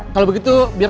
kalau begitu makasih pak